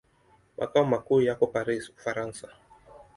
Makao makuu yako Paris, Ufaransa.